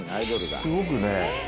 すごくね。